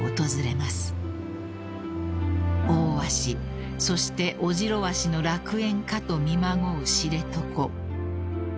［オオワシそしてオジロワシの楽園かと見まごう知床］